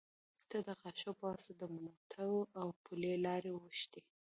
ته د غاښو يه واسطه د موټو او پلې لارې اوښتي